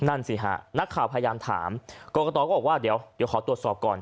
นั่นสิหัะนักข่าวพยายามถามว่าเดี๋ยวอย่าขอตรวจสอบก่อน